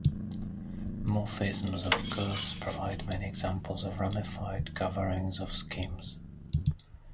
Morphisms of curves provide many examples of ramified coverings of schemes.